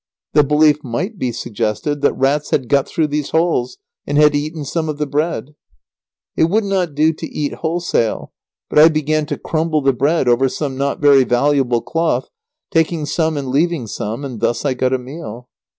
The belief might be suggested that rats had got through these holes and had eaten some of the bread." It would not do to eat wholesale, but I began to crumble the bread over some not very valuable cloth, taking some and leaving some, and thus I got a meal.